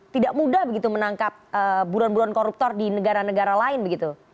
tidak mudah begitu menangkap buron buron koruptor di negara negara lain begitu